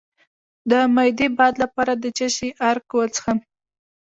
د معدې د باد لپاره د څه شي عرق وڅښم؟